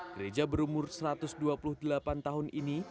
gereja berumur satu ratus dua puluh delapan tahun ini